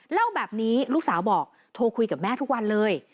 เล่าแบบนี้ลูกสาวบอกโทรคุยกับแม่ทุกวันเลย